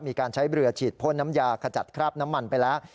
มีการใช้เรือฉีดพ่นน้ำยาขจัดคราบน้ำมันไปแล้ว